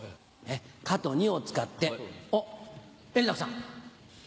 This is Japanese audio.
「カ」と「ニ」を使っておっ円楽さん。